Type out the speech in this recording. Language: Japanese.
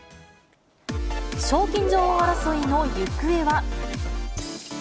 賞金女王争いの行方は。